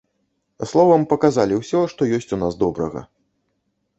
Словам, паказалі ўсё, што ёсць у нас добрага.